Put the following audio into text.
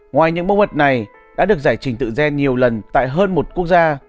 ngoài những bốc mật này đã được giải trình tự gen nhiều lần tại hơn một quốc gia